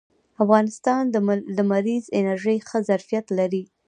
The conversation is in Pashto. افغانستان د لمریزې انرژۍ ښه ظرفیت لري